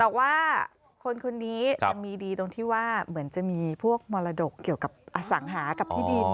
แต่ว่าคนคนนี้ยังมีดีตรงที่ว่าเหมือนจะมีพวกมรดกเกี่ยวกับอสังหากับที่ดิน